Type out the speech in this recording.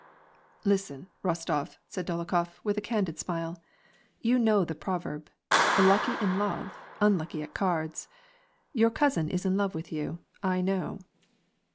" Listen, Rostof," said Dolokhof, with a candid smile, "you know the proverb :* Lucky in love, unlucky at cards.' Your cousin is in love with you, I know."